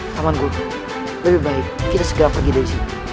taman guru lebih baik kita segera pergi dari sini